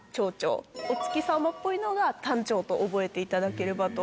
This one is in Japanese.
お月様っぽいのが。と覚えていただければと。